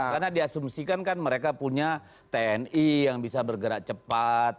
karena diasumsikan kan mereka punya tni yang bisa bergerak cepat